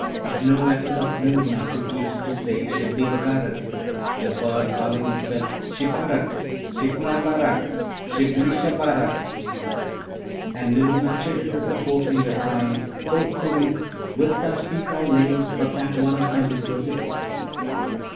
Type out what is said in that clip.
but no effort of Noorna could teach it to say, 'Shibli Bagarag,' the bird calling instead, 'Shiparack, Shiplabarack, Shibblisharack.' And Noorna chid it with her forefinger, crying, 'O Koorookh! wilt thou speak all names but that one of my betrothed?'